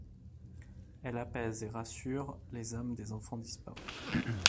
Elle apaise et rassure les âmes des enfants disparus.